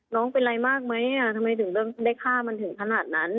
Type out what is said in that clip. น้องเป็นอะไรมากไหมทำไมถึงได้ฆ่ามันถึงขนาดนั้น